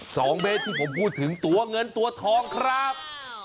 สองเมตรที่ผมพูดถึงตัวเงินตัวทองครับ